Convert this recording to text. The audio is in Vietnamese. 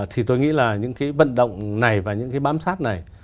thì tôi nghĩ là những cái vận động này và những cái bám sát này